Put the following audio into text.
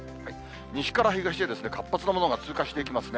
西から東へ活発な雨雲が通過していきますね。